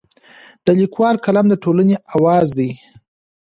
د لیکوال قلم د ټولنې اواز دی.